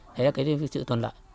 thế là cái sự thuận lợi